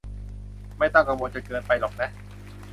ไม่ต้องกังวลจนเกินไปหรอกนะ